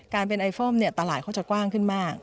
การเป็นไอฟอมเนี่ยตลาดเขาจะกว้างขึ้นมาก